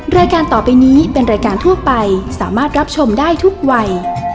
รายการต่อไปนี้เป็นรายการทั่วไปสามารถรับชมได้ทุกวัย